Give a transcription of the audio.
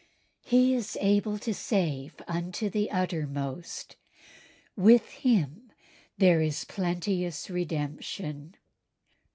He is able to save unto the uttermost. With Him there is plenteous redemption.